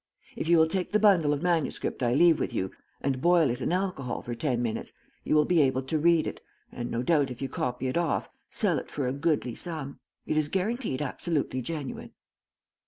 If you will take the bundle of manuscript I leave with you and boil it in alcohol for ten minutes, you will be able to read it, and, no doubt, if you copy it off, sell it for a goodly sum. It is guaranteed absolutely genuine."